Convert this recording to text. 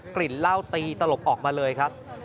กลิ่นเหล้าตีตลบออกมาเลยครับ